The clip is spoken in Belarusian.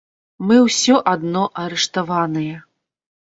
Мы ўсё адно арыштаваныя!